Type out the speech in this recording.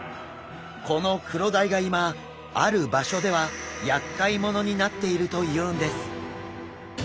このクロダイが今ある場所では厄介者になっているというんです。